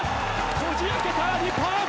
こじ開けた、日本！